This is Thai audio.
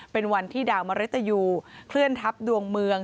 เป็นวันที่ดาวมริตยูเคลื่อนทัพดวงเมือง